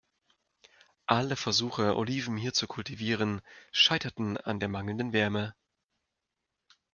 Alle Versuche, Oliven hier zu kultivieren, scheiterten an der mangelnden Wärme.